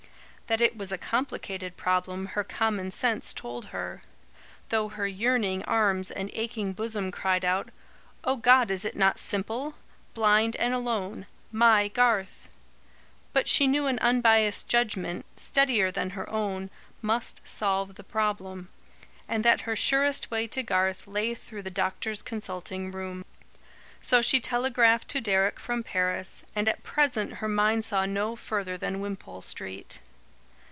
That it was a complicated problem, her common sense told her; though her yearning arms and aching bosom cried out: "O God, is it not simple? Blind and alone! MY Garth!" But she knew an unbiased judgment, steadier than her own, must solve the problem; and that her surest way to Garth lay through the doctor's consulting room. So she telegraphed to Deryck from Paris, and at present her mind saw no further than Wimpole Street.